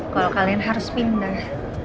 kalau kalian harus pindah